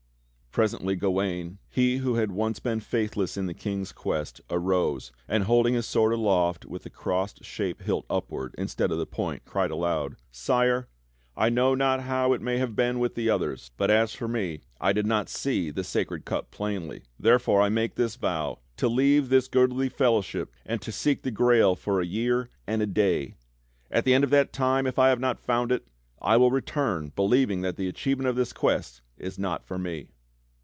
Presently Gawain, he who had once been faithless in the King's quest, arose and hold ing his sword aloft with the cross shaped hilt upward instead of the point, cried aloud: "Sire, I know not how it may have been with the others, but as for me, I did not see the Sacred Cup plainly. Therefore I make this vow: To leave this goodly fellowship and to seek the Grail for a year and a day. At the end of that time, if I have not found it, I will return believing that the achievement of this Quest is not for me."